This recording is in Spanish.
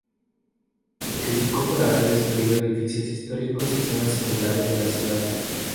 Se le criticó por haber destruido edificios históricos y zonas singulares de la ciudad.